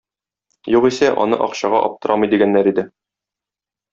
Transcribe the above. Югыйсә, аны акчага аптырамый дигәннәр иде.